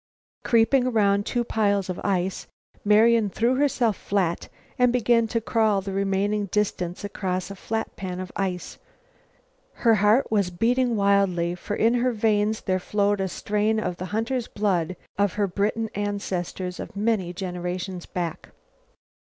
Creeping around two piles of ice, Marian threw herself flat and began to crawl the remaining distance across a flat pan of ice. Her heart was beating wildly, for in her veins there flowed a strain of the hunter's blood of her Briton ancestors of many generations back.